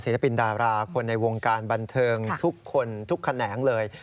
ศิลปินดาราคนในวงการบันเทิงทุกคนทุกแขนงเลย